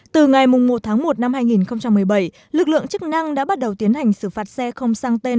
từ ngày một tháng một năm hai nghìn một mươi bảy lực lượng chức năng đã bắt đầu tiến hành xử phạt xe không sang tên